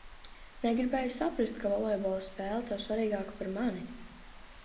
Negribēju saprast, ka volejbola spēle tev svarīgāka par mani.